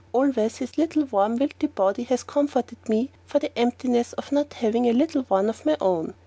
Always his little, warm, wilty body has comforted me for the emptiness of not having a little one of my own.